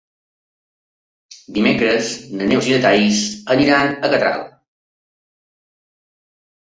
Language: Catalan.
Dimecres na Neus i na Thaís aniran a Catral.